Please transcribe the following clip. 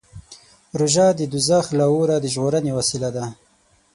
روژه د دوزخ له اوره د ژغورنې وسیله ده.